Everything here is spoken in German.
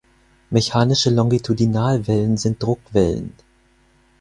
Mechanische Longitudinalwellen sind Druckwellen.